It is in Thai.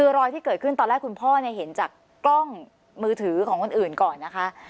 คือรอยที่เกิดขึ้นตอนแรกคุณพ่อเห็นจากกล้องมือถือของคนอื่นก่อนนะคะ